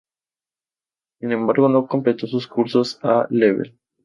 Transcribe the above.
Sin embargo no completó sus cursos "A-level".